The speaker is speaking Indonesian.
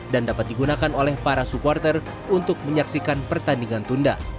dapat digunakan oleh para supporter untuk menyaksikan pertandingan tunda